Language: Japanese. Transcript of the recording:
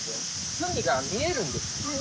文が見えるんです